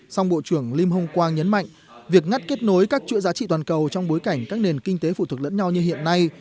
song bộ trưởng lim hong kwang nhấn mạnh việc ngắt kết nối các trụ giá trị toàn cầu trong bối cảnh các nền kinh tế phụ thuộc lẫn nhau như hiện nay